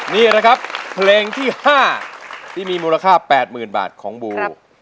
นี่นะครับเพลงที่๕ที่มีมูลค่า๘๐๐๐บาทของบู